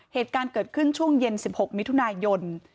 เหตุการณ์เกิดขึ้นช่วงเย็น๑๖มิถุนายน